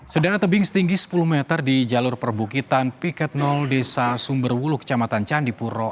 sedara tebing setinggi sepuluh meter di jalur perbukitan piket desa sumberwulu kecamatan candipuro